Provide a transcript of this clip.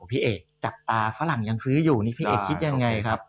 พี่เอกจับตาฝรั่งยังซื้ออยู่นี่พี่เอกคิดยังไงครับ